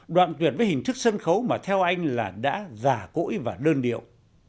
đoạn tuyệt với hình thức sân khấu mà theo anh là đã giả cỗi và đơn điệu